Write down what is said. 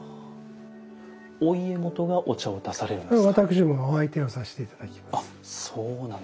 お家元がお茶を出されるんですか？